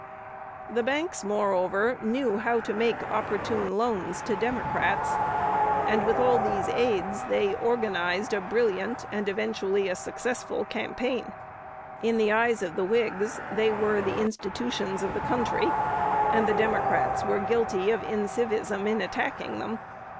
The banks, moreover, knew how to make "opportune loans to Democrats;" and, with all these aids, they organized a brilliant and eventually a successful campaign. In the eyes of the Whigs they were "the institutions of the country," and the Democrats were guilty of incivism in attacking them.